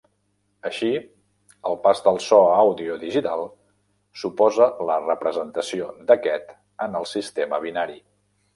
Així, el pas del so a àudio digital suposa la representació d'aquest en sistema binari.